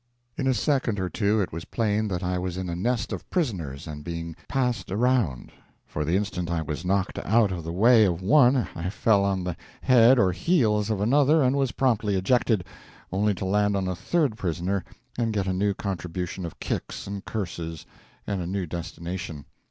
In a second or two it was plain that I was in a nest of prisoners and was being "passed around" for the instant I was knocked out of the way of one I fell on the head or heels of another and was promptly ejected, only to land on a third prisoner and get a new contribution of kicks and curses and a new destination.